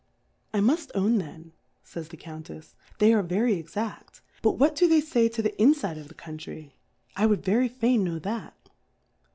I mud own then, faj's the Cotmtefs^ they are very exafl • but what do they fay to the iniide of the Country? I would very tain know that.